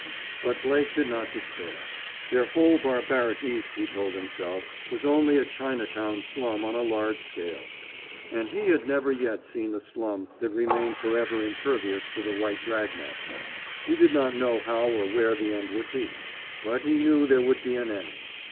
But Blake did not despair. Their whole barbaric East, he told himself, was only a Chinatown slum on a large scale. And he had never yet seen the slum that remained forever impervious to the right dragnet. He did not know how or where the end would be. But he knew there would be an end.